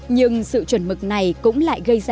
nhưng sự chuẩn mực này cũng lại gây ra